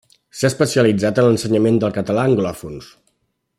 S'ha especialitzat en l'ensenyament del català a anglòfons.